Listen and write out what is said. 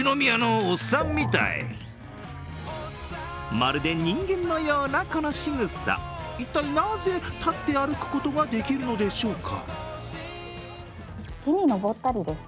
まるで人間のような、このしぐさ一体なぜ立って歩くことができるんでしょうか。